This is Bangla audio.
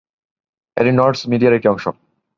এটি নর্ডস্ মিডিয়ার একটি অংশ।